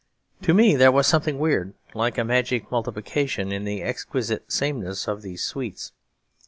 To me there was something weird, like a magic multiplication, in the exquisite sameness of these suites.